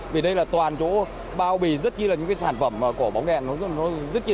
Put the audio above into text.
vì đây là toàn chỗ bao bì rất là những cái sản phẩm của bóng đèn nó rất là độc hại